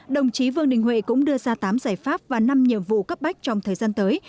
đồng chí vương đình huệ cũng đưa ra tám giải pháp và năm nhiệm vụ cấp bách trong thời gian tới